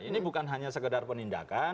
ini bukan hanya sekedar penindakan